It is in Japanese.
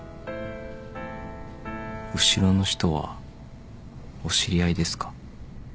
後ろの人はお知り合いですか？